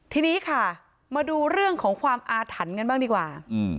ทีนี้ค่ะมาดูเรื่องของความอาถรรพ์กันบ้างดีกว่า